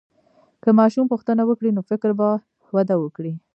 که ماشوم پوښتنه وکړي، نو فکر به وده وکړي.